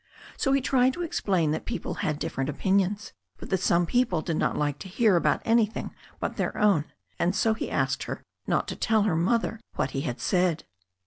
So he tried to explain that people had different opinions, but that some people did not like to hear about anything but their own, and so he asked her not to tell her mother what he had said.